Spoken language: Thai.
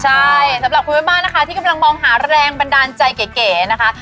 ใช่สำหรับคุณแม่บ้านนะคะที่กำลังมองหาแรงบันดาลใจเก๋นะคะ